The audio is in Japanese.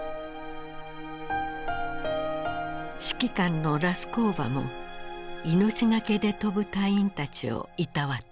指揮官のラスコーヴァも命懸けで飛ぶ隊員たちをいたわった。